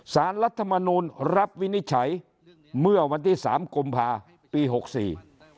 สารรัฐมนูลรับวินิจฉัยเมื่อวันที่สามกุมภาปีหกสี่